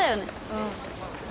うん。